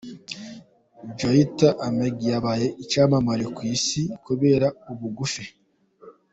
Joyti Amge yabaye icyamamare ku isi kubera ubugufi.